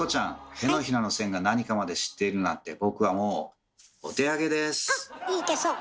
手のひらの線が何かまで知っているなんてあっいい手相。